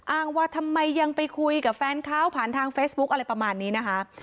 อ้างว่าทำไมยังไปคุยกับแฟนเขาผ่านทางเฟซบุ๊คอะไรประมาณนี้นะคะ